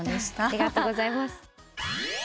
ありがとうございます。